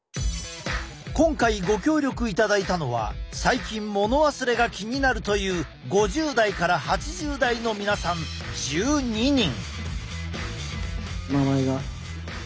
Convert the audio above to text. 今回ご協力いただいたのは最近物忘れが気になるという５０代から８０代の皆さん１２人。